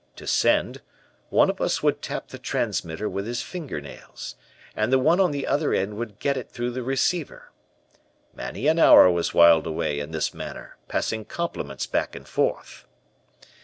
To send, one of us would tap the transmitter with his finger nails, and the one on the other end would get it through the receiver. Many an hour was whiled away in this manner passing compliments back and forth.